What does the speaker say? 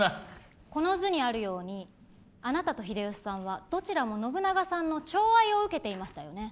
この図にあるようにあなたと秀吉さんはどちらも信長さんのちょう愛を受けていましたよね。